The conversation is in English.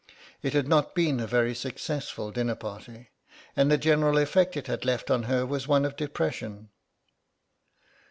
It had not been a very successful dinner party, and the general effect it had left on her was one of depression.